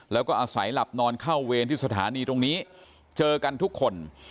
แล้วก็อาศัยหลับนอนเข้าเวรที่สถานีตรงนี้เจอกันทุกคน